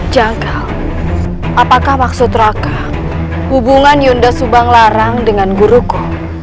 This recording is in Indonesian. jangkau apakah maksud raka hubungan yunda subang larang dengan guruku